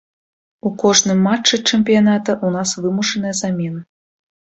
У кожным матчы чэмпіяната ў нас вымушаныя замены.